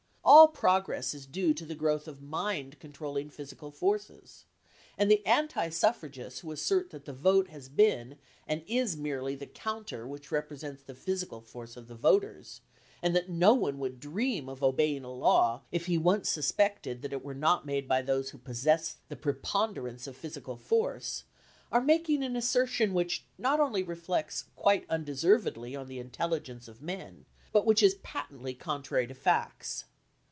All progress is due to the growth of mind controlling physical forces, and the anti suffragists who assert that the vote has been and is merely the counter which represents the physical force of the voters, and that no one would dream of obeying a law if he once suspected that it were not made by those who possessed the preponderance of physical force, are making an assertion which not only reflects quite undeservedly on the intelligence of men, but which is patently contrary to facts.